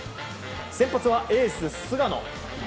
先発はエース菅野。